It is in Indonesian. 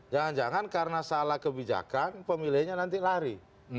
jangan jangan karena salah kebijakan pemilihnya nanti lari